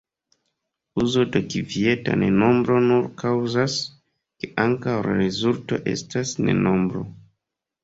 Uzo de kvieta ne nombro nur kaŭzas ke ankaŭ la rezulto estas ne nombro.